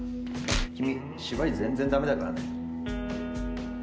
君芝居全然駄目だからね。